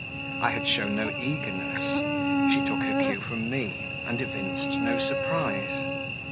I had shown no eagerness; she took her cue from me, and evinced no surprise.